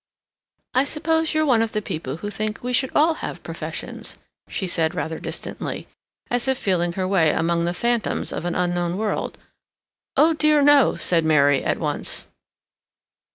"I suppose you're one of the people who think we should all have professions," she said, rather distantly, as if feeling her way among the phantoms of an unknown world. "Oh dear no," said Mary at once.